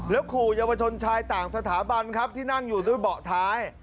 ขู่เยาวชนชายต่างสถาบันครับที่นั่งอยู่ด้วยเบาะท้าย